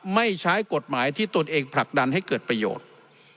ในกฎหมายที่ตัวเอกผลักดันให้เกิดประโยชน์